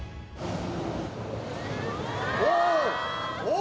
お！